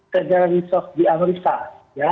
kejayaan resource di amerika